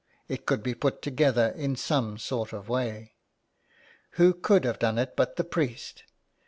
It could be put together in some sort of way. Who could have done it but the priest?